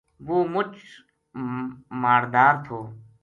وہ مچ ماڑدار تھو